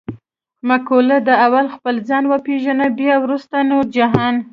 مقوله ده: اول خپل ځان و پېژنه بیا ورسته نور جهان.